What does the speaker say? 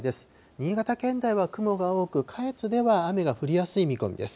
新潟県内は雲が多く、下越では雨が降りやすい見込みです。